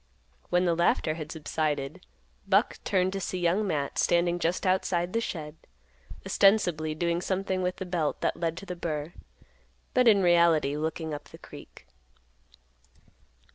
When the laughter had subsided, Buck turned to see Young Matt standing just outside the shed, ostensibly doing something with the belt that led to the burr, but in reality looking up the creek.